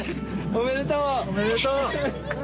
おめでとう！